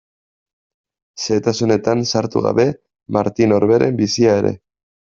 Xehetasunetan sartu gabe Martin Orberen bizia ere.